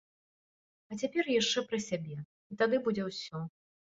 А цяпер яшчэ пра сябе, і тады будзе ўсё.